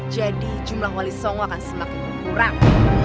jadi jumlah wali songo akan semakin berkurang